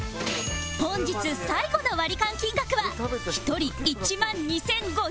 本日最後のワリカン金額は１人１万２５００円